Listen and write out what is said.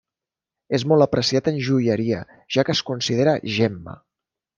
És molt apreciat en joieria, ja que es considera gemma.